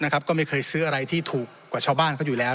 ก็ไม่เคยซื้ออะไรที่ถูกกว่าชาวบ้านเขาอยู่แล้ว